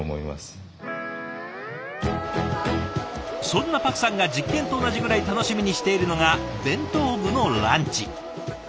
そんなパクさんが実験と同じぐらい楽しみにしているのが弁当部のランチ。